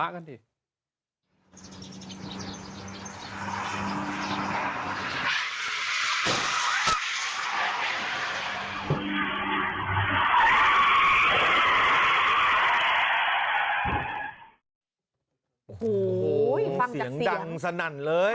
โอ้โหฟังจากเสียงโอ้โหเสียงดังสนั่นเลย